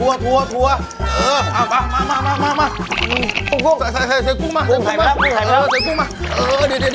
เอาอะไรอย่างไรก่อนเอาขี้เหรอเอาแบบนี้ก่อนนะเอาเกลียดเอาเออ